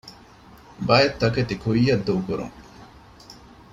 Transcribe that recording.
ބައެއް ތަކެތި ކުއްޔައްދޫކުރުން